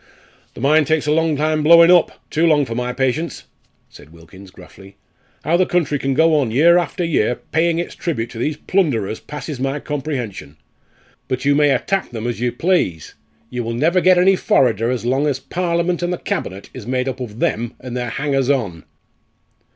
"The mine takes a long time blowing up too long for my patience," said Wilkins, gruffly. "How the country can go on year after year paying its tribute to these plunderers passes my comprehension. But you may attack them as you please. You will never get any forrarder so long as Parliament and the Cabinet is made up of them and their hangers on."